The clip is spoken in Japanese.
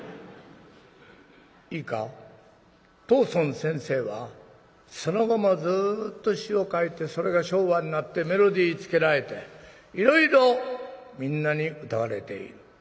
いいか藤村先生はその後もずっと詩を書いてそれが昭和になってメロディーつけられていろいろみんなに歌われている。